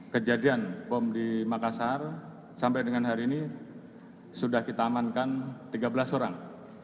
kejadian bom di makassar sampai dengan hari ini sudah kita amankan tiga belas orang